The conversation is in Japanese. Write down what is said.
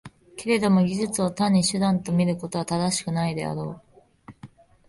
けれども技術を単に手段と見ることは正しくないであろう。